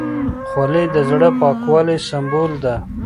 خولۍ د زړه پاکوالي سمبول ده.